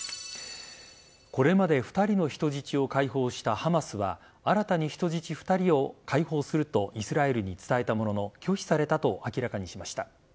これまで２人の人質を解放したハマスは新たに人質２人を解放するとイスラエルに伝えたものの拒否されたと明らかにしました。